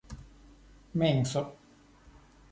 menso